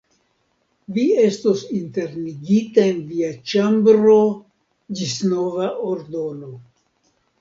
Vi estos internigita en via ĉambro ĝis nova ordono.